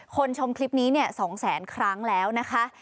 คนชมคลิปนี้เนี่ย๒๐๐๐๐๐ครั้งแล้วนะคะ